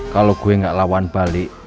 kalau gue gak lawan balik